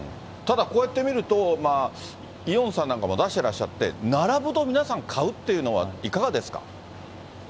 ただこうやって見ると、イオンさんなんかも出してらっしゃって、並ぶと皆さん、買うっていうのは、いかがですか？